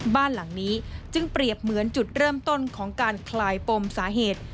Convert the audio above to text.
บ้านหลังนี้จึงเปรียบเหมือนจุดเริ่มต้นของการคลายปมสาเหตุ